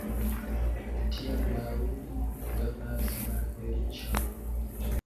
Tio, laŭ li, donas malfeliĉon!